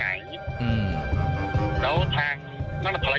แล้วก็หมุนเงินทั้งตัว